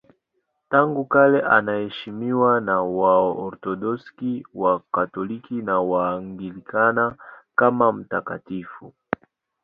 Tangu kale anaheshimiwa na Waorthodoksi, Wakatoliki na Waanglikana kama mtakatifu.